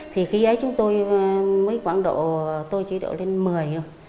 thì khi ấy chúng tôi mới khoảng độ tôi chỉ độ lên một mươi thôi